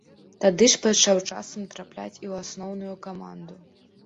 Тады ж пачаў часам трапляць і ў асноўную каманду.